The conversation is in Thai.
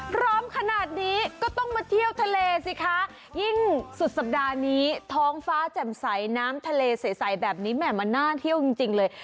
พร้อมขนาดนี้ก็ต้องมาเที่ยวทะเลสิคะยิ่งสุดสัปดาห์นี้ท้องฟ้าแจ่มใสน้ำทะเลใสแบบนี้แหม่มันน่าเที่ยวจริงจริงเลย